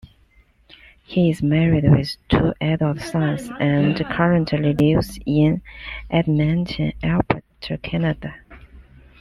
He is married with two adult sons and currently lives in Edmonton, Alberta, Canada.